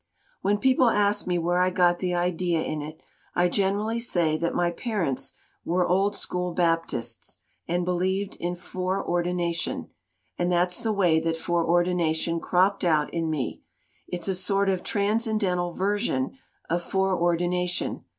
"When people ask me where I got the idea in it, I generally say that my parents were old school Baptists and believed in foreordination, and that's the way that foreordination cropped out in me it's a sort of transcendental version of foreordination.